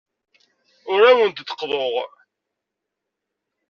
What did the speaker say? Ur awent-d-qeḍḍuɣ.